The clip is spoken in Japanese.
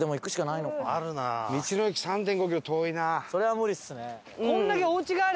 それは無理っすね。